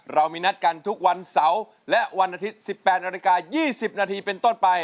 เรามีนัดกันทุกวันเสาร์และวันอาทิตย์๑๘นาฬิกา๒๐นาทีเป็นต้นไป